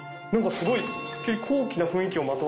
すごいな。